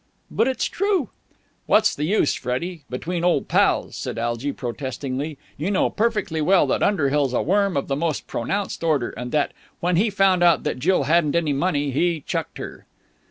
"But it's true!" "What's the use, Freddie, between old pals?" said Algy protestingly. "You know perfectly well that Underhill's a worm of the most pronounced order, and that, when he found out that Jill hadn't any money, he chucked her."